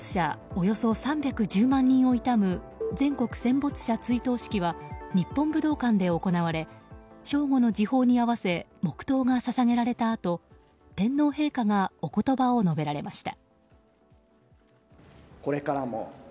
およそ３１０万人を悼む全国戦没者追悼式は日本武道館で行われ正午の時報に合わせ黙祷が捧げられたあと天皇陛下がお言葉を述べられました。